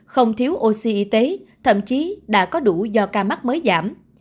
không thiếu oxy y tế thậm chí đã có đủ do ca mắc mới giảm